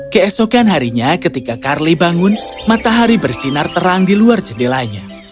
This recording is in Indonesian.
keesokan harinya ketika carly bangun matahari bersinar terang di luar jendelanya